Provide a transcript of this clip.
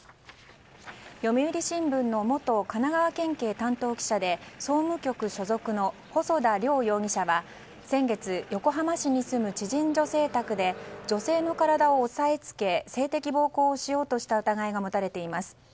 読売新聞の元神奈川県警担当記者で総務局所属の細田凌容疑者は先月横浜市に住む知人女性宅で女性の体を押さえつけ性的暴行をしようとした疑いが持たれています。